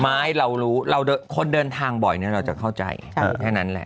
ไม่เรารู้คนเดินทางบ่อยเราจะเข้าใจแค่นั้นแหละ